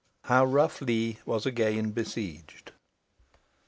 HOW ROUGH LEE WAS AGAIN BESIEGED.